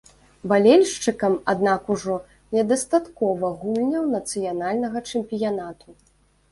Балельшчыкам, аднак, ужо недастаткова гульняў нацыянальнага чэмпіянату.